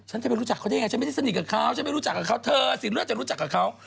ฉันจะไปรู้จักเขาได้ไงฉันไม่ได้สนิทกับเขาฉันไม่รู้จักกับเขาเธอสีเลือดจะรู้จักกับเขา